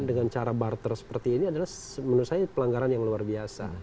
dengan cara barter seperti ini adalah menurut saya pelanggaran yang luar biasa